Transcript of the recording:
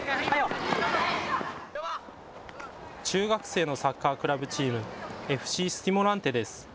中学生のサッカークラブチーム、Ｆ．Ｃ．スティモランテです。